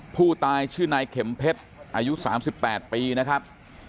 ผู้ตายชื่อนายเข็มเพชรอายุ๓๘ปีนะครับ